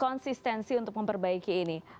konsistensi untuk memperbaiki ini